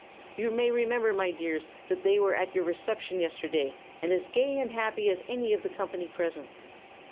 You may remember, my dears, that they were at your reception yesterday, and as gay and happy as any of the company present.